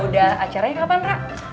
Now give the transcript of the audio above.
dan acaranya kapan ra